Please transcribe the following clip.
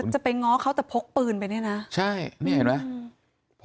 จะไปง้อเขาแต่พกปืนไปนี่แน่